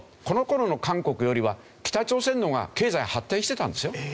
この頃の韓国よりは北朝鮮の方が経済発展してたんですよ。